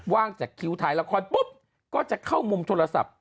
ว่างจากคิวถ่ายละครปุ๊บก็จะเข้ามุมโทรศัพท์